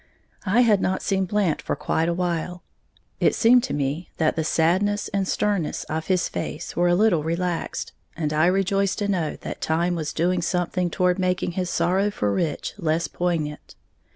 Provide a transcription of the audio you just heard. I had not seen Blant for quite a while. It seemed to me that the sadness and sternness of his face were a little relaxed, and I rejoiced to know that time was doing something toward making his sorrow for Rich less poignant.